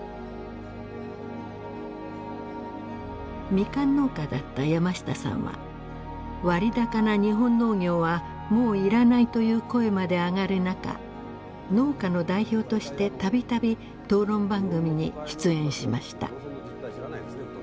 ミカン農家だった山下さんは「割高な日本農業はもういらない！」という声まで上がる中農家の代表として度々討論番組に出演しました。